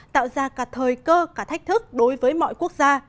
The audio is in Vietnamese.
tạo ra cả thời cơ cả thách thức đối với mọi quốc gia